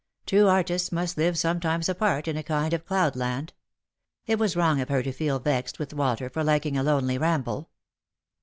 True artists must live sometimes apart, in a kind of cloudland. It was wrong of her to feel vexed with Walter for liking a lonely ramble.